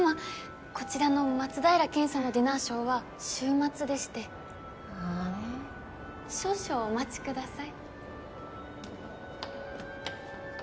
こちらの松平健さんのディナーショーは週末でしてああ少々お待ちください